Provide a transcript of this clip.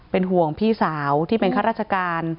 เป็นห่วงพี่สาวที่เป็นข้าราชการ